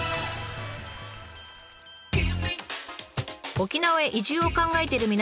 沖縄へ移住を考えている皆さん